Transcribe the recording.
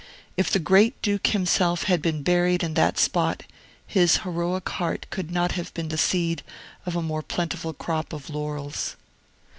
If the Great Duke himself had been buried in that spot, his heroic heart could not have been the seed of a more plentiful crop of laurels.